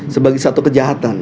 sebagai satu kejahatan